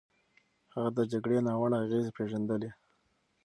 هغه د جګړې ناوړه اغېزې پېژندلې.